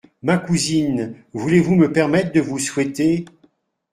Ma cousine, voulez-vous me permettre de vous souhaiter ?…